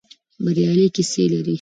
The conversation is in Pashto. بریالۍ کيسې لري.